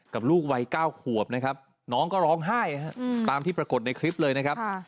ลูกวัย๙ขวบนะครับน้องก็ร้องไห้ตามที่ปรากฏในคลิปเลยนะครับ